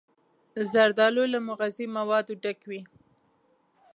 زردالو له مغذي موادو ډک وي.